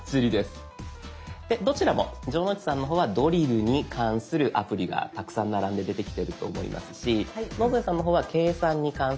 でどちらも城之内さんの方はドリルに関するアプリがたくさん並んで出てきてると思いますし野添さんの方は計算に関するアプリがたくさん並んで出てきていると思います。